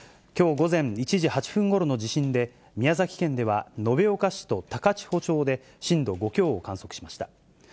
きょう午前１時８分ごろの地震で、宮崎県では延岡市と高千穂町で震度５強を観測しました。